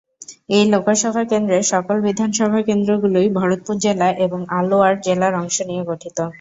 এই লোকসভা কেন্দ্রের সকল বিধানসভা কেন্দ্রগুলি ভরতপুর জেলা এবং আলওয়ার জেলার অংশ নিয়ে গঠিত।